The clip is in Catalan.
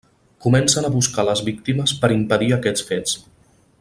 Comencen a buscar les víctimes per impedir aquests fets.